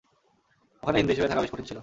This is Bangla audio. ওখানে হিন্দু হিসেবে থাকা বেশ কঠিন ছিল।